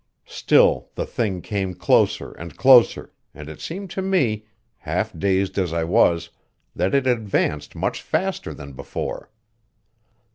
Still the thing came closer and closer, and it seemed to me, half dazed as I was, that it advanced much faster than before.